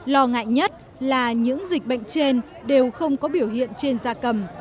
lo ngại nhất là những dịch bệnh trên đều không có biểu hiện trên da cầm